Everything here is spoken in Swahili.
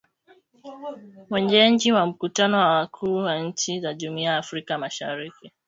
mwenyeji wa mkutano wa wakuu wa nchi za jumuia ya Afrika mashariki